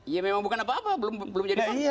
ya memang bukan apa apa belum jadi konten